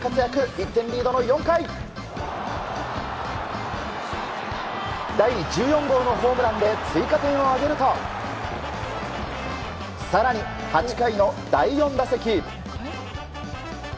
１点リードの４回第１４号のホームランで追加点を挙げると更に、８回の第４打席。